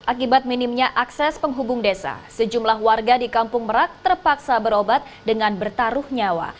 akibat minimnya akses penghubung desa sejumlah warga di kampung merak terpaksa berobat dengan bertaruh nyawa